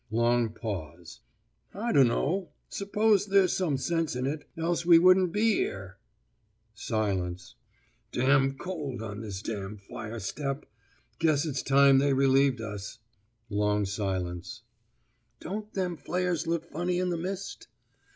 Long pause. 'I dunno. 'Spose there's some sense in it, else we wouldn't be 'ere.' Silence. ' cold on this fire step. Guess it's time they relieved us.' Long silence. 'Don't them flares look funny in the mist?